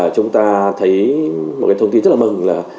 chúng ta thấy một cái thông tin rất là mừng là